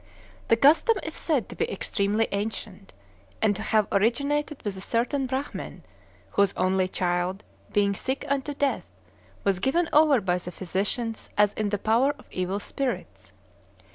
The custom is said to be extremely ancient, and to have originated with a certain Brahmin, whose only child, being sick unto death, was given over by the physicians as in the power of evil spirits.